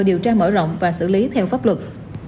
điều tra mở rộng và xử lý theo pháp luật